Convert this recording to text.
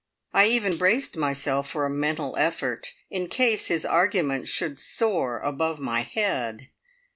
I even braced myself for a mental effort, in case his argument should soar above my head.